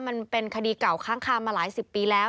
มันเป็นคดีเก่าค้างคามาหลายสิบปีแล้ว